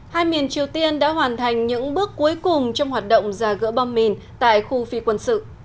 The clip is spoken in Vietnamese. hai miền triều tiên đã hoàn thành những bước cuối cùng trong hoạt động giả gỡ bom mìn tại khu phi quân sự